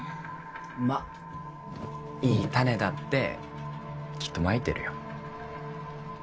まっ良い種だってきっと蒔いてるよ。